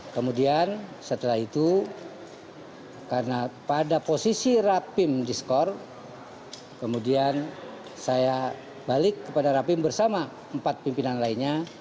kemudian setelah itu karena pada posisi rapim diskor kemudian saya balik kepada rapim bersama empat pimpinan lainnya